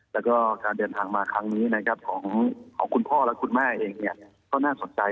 แล้วก็การเดินทางมาครั้งนี้นะครับของคุณพ่อและคุณแม่เองก็น่าสนใจ